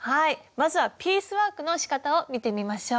まずはピースワークのしかたを見てみましょう。